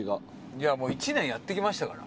いやもう１年やってきましたから。